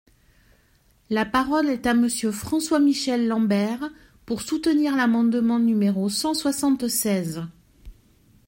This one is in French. La parole est à Monsieur François-Michel Lambert, pour soutenir l’amendement numéro cent soixante-seize.